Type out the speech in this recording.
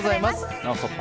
「ノンストップ！」